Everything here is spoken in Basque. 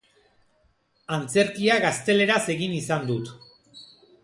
Antzerkia gazteleraz egin izan dut.